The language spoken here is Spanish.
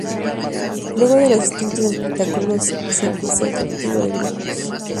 Luego de los distintos espectáculos se realizó el sorteo definitivo de grupos.